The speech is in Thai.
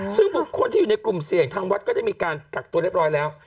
ซึ่งบุคคลที่อยู่ในกลุ่มเสี่ยงทางวัดก็ได้มีการกักตัวเรียบร้อยแล้ว